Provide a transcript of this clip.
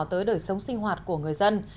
tới đời sống sinh hoạt của người dân